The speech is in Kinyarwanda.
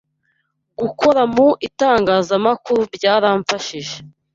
Gukora mu itangazamakuru byaramfashije